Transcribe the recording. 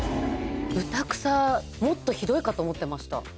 ブタクサもっとひどいかと思ってました。